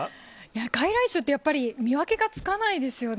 外来種って、やっぱり、見分けがつかないですよね。